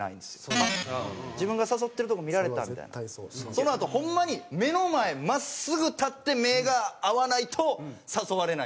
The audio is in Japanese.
そのあとホンマに目の前真っすぐ立って目が合わないと誘われないんです。